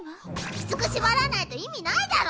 きつく縛らないと意味ないだろ！